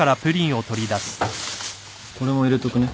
これも入れとくね。